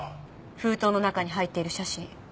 封筒の中に入っている写真。